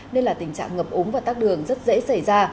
nên là tình trạng ngập ống và tắc đường rất dễ xảy ra